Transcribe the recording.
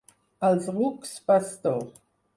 Als rucs, bastó.